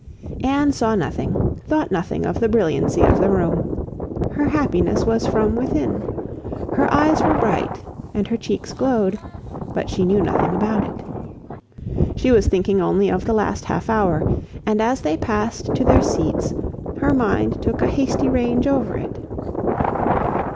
Anne saw nothing, thought nothing of the brilliancy of the room. Her happiness was from within. Her eyes were bright and her cheeks glowed; but she knew nothing about it. She was thinking only of the last half hour, and as they passed to their seats, her mind took a hasty range over it.